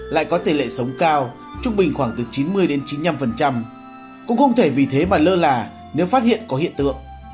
nguyên nhân cao trung bình khoảng từ chín mươi chín mươi năm cũng không thể vì thế mà lơ là nếu phát hiện có hiện tượng